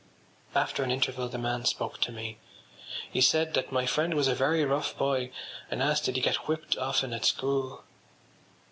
After an interval the man spoke to me. He said that my friend was a very rough boy and asked did he get whipped often at school.